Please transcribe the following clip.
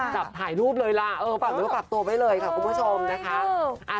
จับถ่ายรูปเลยล่ะเออปรับเนื้อปรับตัวไว้เลยค่ะคุณผู้ชมนะคะ